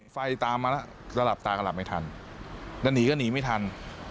ไฟตามมาแล้วสลับตาก็หลับไม่ทันแล้วหนีก็หนีไม่ทัน